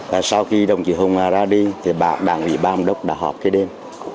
và sau khi đồng chí hùng ra đi thì đảng vị ba ông đốc đã họp cái đêm